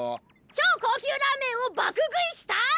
超高級ラーメンを爆食いしたい！